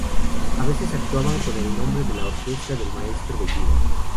A veces actuaban con el nombre de "La Orquesta del Maestro Bellido".